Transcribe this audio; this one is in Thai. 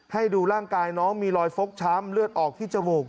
ให้ดูร่างกายน้องมีรอยฟกช้ำเลือดออกที่จมูก